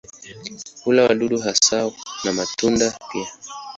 Hula wadudu hasa na matunda pia.